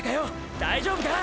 大丈夫か！！